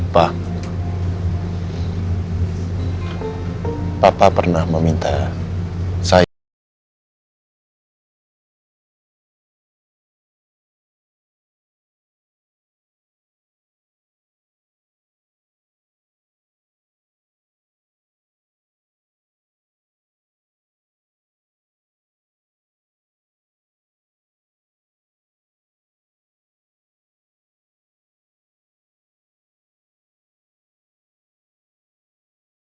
pak papa pernah meminta saya